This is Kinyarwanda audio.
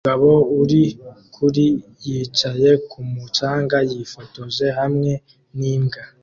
Umugabo uri kuri yicaye kumu canga yifotoje hamwe nimbwa